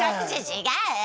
違う！